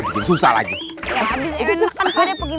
pakde pura pura ketabrak ya apaan nih